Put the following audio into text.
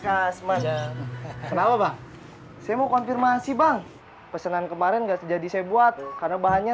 khas manja kenapa bang saya mau konfirmasi bang pesenan kemarin nggak jadi saya buat karena bahannya